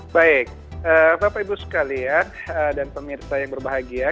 baik bapak ibu sekalian dan pemirsa yang berbahagia